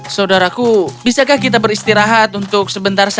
saudaraku bisakah kita beristirahat untuk sebentar saja